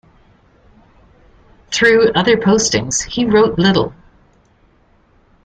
Through other postings he wrote little.